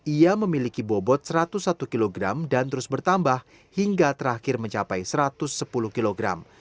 ia memiliki bobot satu ratus satu kg dan terus bertambah hingga terakhir mencapai satu ratus sepuluh kilogram